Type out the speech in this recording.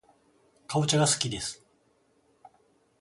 かぼちゃがすきです